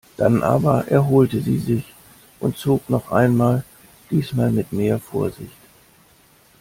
Dann aber erholte sie sich und zog noch einmal, diesmal mit mehr Vorsicht.